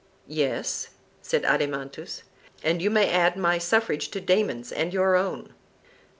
Yes, said Adeimantus; and you may add my suffrage to Damon's and your own.